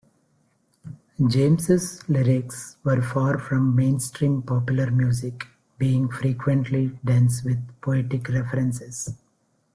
James' lyrics were far from mainstream popular music, being frequently dense with poetic references.